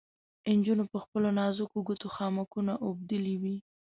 نجونو په خپلو نازکو ګوتو خامکونه اوبدلې وې.